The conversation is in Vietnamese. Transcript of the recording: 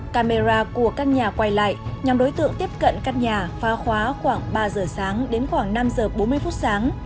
camera của căn nhà quay lại nhằm đối tượng tiếp cận căn nhà phá khóa khoảng ba giờ sáng đến khoảng năm giờ bốn mươi phút sáng